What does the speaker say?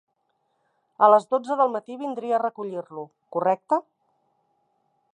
A les dotze del matí vindria a recollir-lo, correcte?